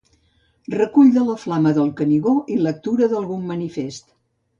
Recull de la flama del Canigó i lectura d'algun manifest.